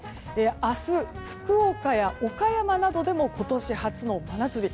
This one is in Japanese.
明日、福岡や岡山などでも今年初の真夏日。